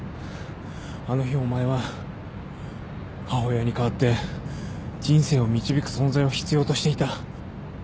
あの日お前は母親に代わって人生を導く存在を必要としていた。